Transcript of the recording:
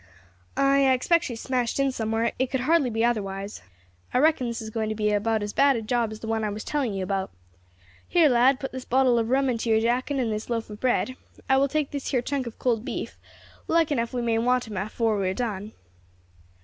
"Ay, I expect she is smashed somewhere; it could hardly be otherwise; I reckon this is going to be about as bad a job as the one I was telling you about. Here, lad, put this bottle of rum into your jacket and this loaf of bread; I will take this here chunk of cold beef; like enough we may want 'em afore we are done."